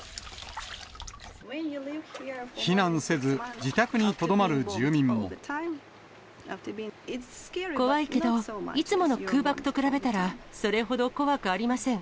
避難せず、怖いけど、いつもの空爆と比べたら、それほど怖くありません。